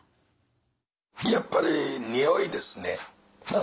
やっぱり匂いですね。